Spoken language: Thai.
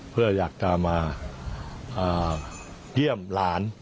เพื่ออยากจะมาเยี่ยมหลาน